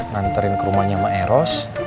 nanterin ke rumahnya emak eros